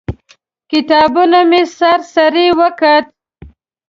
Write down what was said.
کتابتون مې سر سري وکت.